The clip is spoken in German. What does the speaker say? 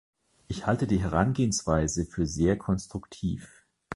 Ich halte die Herangehensweise für sehr konstruktiv.